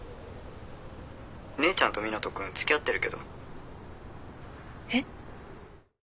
姉ちゃんと湊斗君付き合ってるけど。